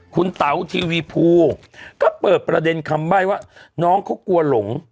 คุณเต๋าทีวีภูก็เปิดประเด็นคำใบ้ว่าน้องเขากลัวหลง